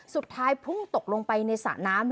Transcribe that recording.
สุดท้ายพุ่งตกลงไปในสระน้ำ